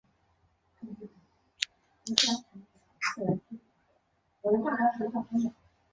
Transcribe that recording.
就能在改造中国、改造世界的拼搏中，迸发出排山倒海的历史伟力。